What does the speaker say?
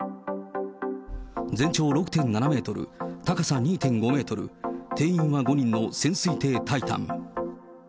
全長６．７メートル、高さ２．５メートル、定員は５人の潜水艇、タイタン。